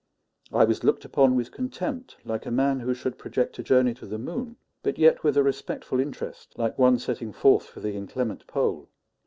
I was looked upon with contempt, like a man who should project a journey to the moon, but yet with a respectful interest, like one setting forth for the inclement Pole.